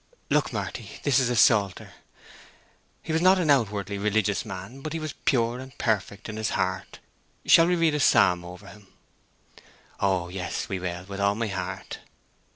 "Look, Marty, this is a Psalter. He was not an outwardly religious man, but he was pure and perfect in his heart. Shall we read a psalm over him?" "Oh yes—we will—with all my heart!"